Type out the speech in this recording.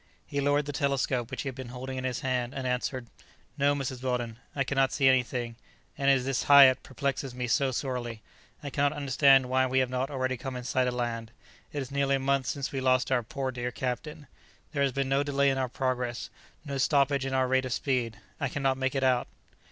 He lowered the telescope which he had been holding in his hand, and answered, "No, Mrs. Weldon, I cannot see anything; and it is this Hiat perplexes me so sorely. I cannot understand why we have not already come in sight of land. It is nearly a month since we lost our poor dear captain. There has been no delay in our progress; no stoppage in our rate of speed. I cannot make it out."